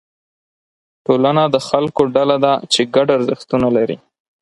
ټولنه د خلکو ډله ده چې ګډ ارزښتونه لري.